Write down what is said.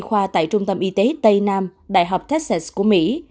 kỳ khoa tại trung tâm y tế tây nam đại học texas của mỹ